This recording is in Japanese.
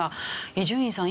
伊集院さん